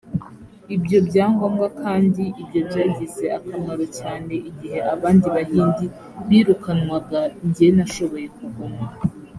ibyo byangombwa kandi ibyo byagize akamaro cyane igihe abandi bahindi birukanwaga jye nashoboye kuguma